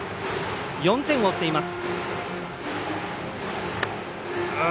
４点を追っています。